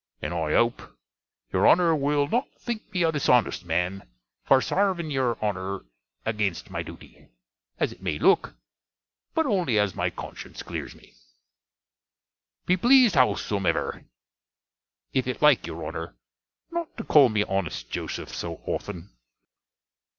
And, I hope, your Honner will not think me a dishonest man for sarving your Honner agenst my duty, as it may look; but only as my conshence clears me. Be pleased, howsomever, if it like your Honner, not to call me honest Joseph, so often.